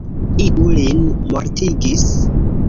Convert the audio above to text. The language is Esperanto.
Iu lin mortigis!